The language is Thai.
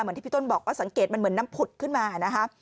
ที่พี่ต้นบอกว่าสังเกตมันเหมือนน้ำผุดขึ้นมานะคะ